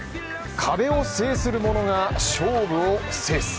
壁を制する者が勝負を制する。